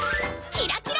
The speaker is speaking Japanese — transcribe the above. キラキラ！